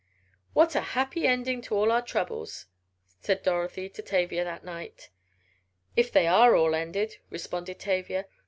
"What a happy ending of all our troubles," said Dorothy to Tavia that night. "If they are all ended," responded Tavia.